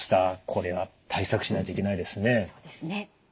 これは対策しないといけないですね。